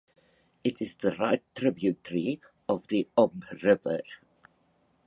It is a right tributary of the Ob River.